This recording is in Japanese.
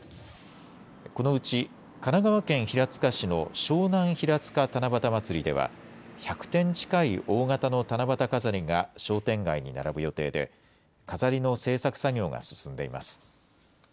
このうち、神奈川県平塚市の湘南ひらつか七夕まつりでは、１００点近い大型の七夕飾りが商店街に並ぶ予定で、飾りの製作作業が進んでいます。